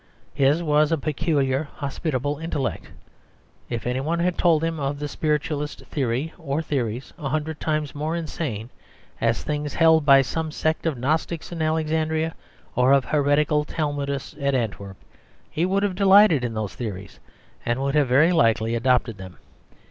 His was a peculiarly hospitable intellect. If any one had told him of the spiritualist theory, or theories a hundred times more insane, as things held by some sect of Gnostics in Alexandria, or of heretical Talmudists at Antwerp, he would have delighted in those theories, and would very likely have adopted them.